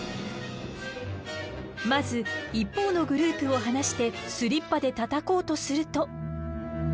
まず一方のグループを放してスリッパでたたこうとすると。